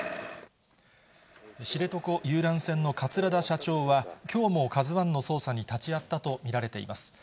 知床遊覧船の桂田社長は、きょうもＫＡＺＵＩの捜査に立ち会ったと見られています。